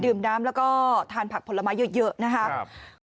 น้ำแล้วก็ทานผักผลไม้เยอะนะครับ